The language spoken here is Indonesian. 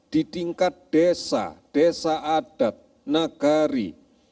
di tingkat desa desa adat nagari